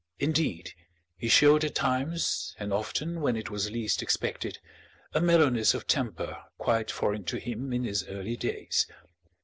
Indeed, he showed at times, and often when it was least expected, a mellowness of temper quite foreign to him in his early days.